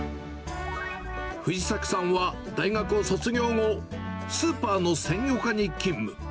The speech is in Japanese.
藤崎さんは大学を卒業後、スーパーの鮮魚課に勤務。